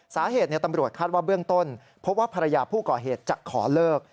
สาเหตุตำรวจคาดว่าเบื้องต้นพบว่าภรรยาผู้ก่อเหตุจะขอเลิก